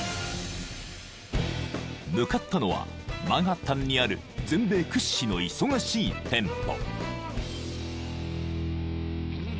［向かったのはマンハッタンにある全米屈指の忙しい店舗］